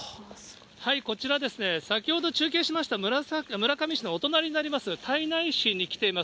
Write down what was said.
こちらですね、先ほど中継しました村上市のお隣になります、胎内市に来ています。